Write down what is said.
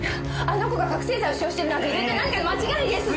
あの子が覚せい剤を使用してるなんて絶対何かの間違いです！